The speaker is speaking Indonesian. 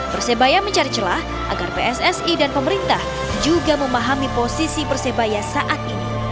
persebaya mencari celah agar pssi dan pemerintah juga memahami posisi persebaya saat ini